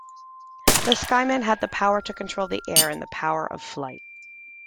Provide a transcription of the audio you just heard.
This Skyman had the power to control the air, and the power of flight.